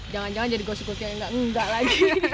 jangan jangan jadi gosip gosip yang enggak enggak lagi